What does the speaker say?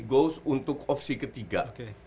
goes untuk opsi ketiga